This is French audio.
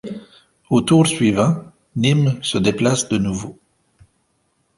Au tour suivant, Nîmes se déplace de nouveau.